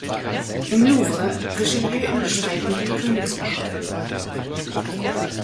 Im Louvre, Richelieu im Gespräch mit dem Königspaar.